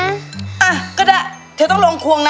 อ่ะก็ได้เธอต้องลองควงนะ